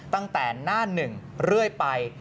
ตั้งแต่หน้าหนึ่งเรื่อยไป